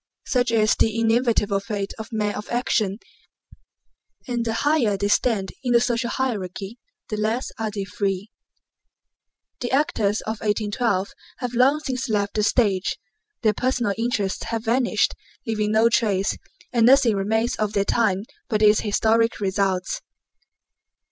Such is the inevitable fate of men of action, and the higher they stand in the social hierarchy the less are they free. The actors of 1812 have long since left the stage, their personal interests have vanished leaving no trace, and nothing remains of that time but its historic results.